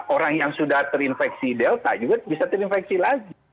orang yang sudah terinfeksi delta juga bisa terinfeksi lagi